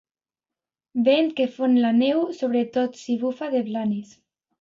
Vent que fon la neu, sobretot si bufa de Blanes.